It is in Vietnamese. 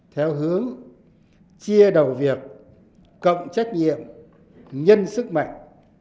theo hướng chia đầu việc cộng trách nhiệm nhân sức mạnh